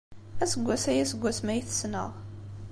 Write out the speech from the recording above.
Aseggas aya seg wasmi ay t-ssneɣ.